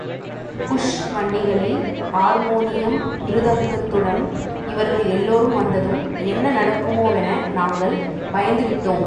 Push வண்டிகளில் ஆர்மோனியம் மிருதங்கத்துடன் இவர்கள் எல்லோரும் வந்ததும் என்ன நடக்குமோவென நாங்கள் பயந்து விட்டோம்.